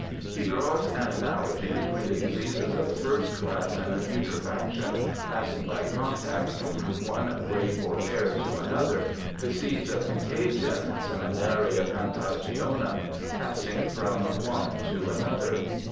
He draws an analogy between the diseases of the first class and the putrefaction passing by contact from one grape or pear to another, the seeds of con tagion — seminaria confagioiium — passing from one to another.